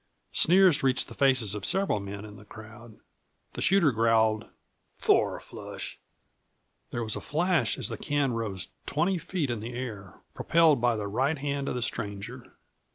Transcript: Sneers reached the faces of several men in the crowd. The shooter growled, "Fourflush." There was a flash as the can rose twenty feet in the air, propelled by the right hand of the stranger.